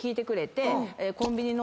て